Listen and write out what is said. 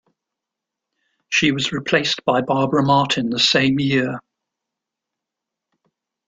She was replaced by Barbara Martin the same year.